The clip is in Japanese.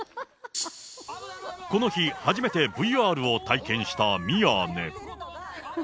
この日、初めてＶＲを体験した宮根。